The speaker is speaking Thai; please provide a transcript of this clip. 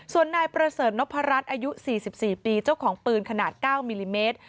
ส่วนนายประเสริฐนพรัชอายุ๔๔ปีเจ้าของปืนขนาด๙มิลลิเมตร